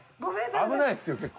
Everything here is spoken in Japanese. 危ないですよ結構。